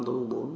tối mùng bốn